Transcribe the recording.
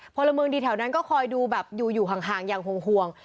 พลเมืองดีแถวนั้นก็คอยดูแบบอยู่ห่างอย่างห่วง